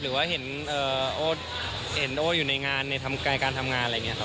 หรือว่าเห็นโอ้อยู่ในงานในการทำงานอะไรอย่างนี้ครับ